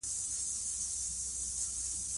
او دې ويرې ښځه په مضر شرم اخته کړې ده.